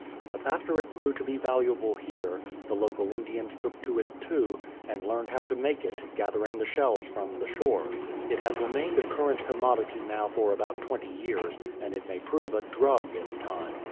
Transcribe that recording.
But after it grew to be valuable here, the local Indians took to it too, and learned how to make it, gathering the shells from the shores. It has remained a current commodity now for about twenty years, and it may prove a drug in time.